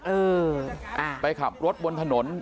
เออไปขับรถบนถนน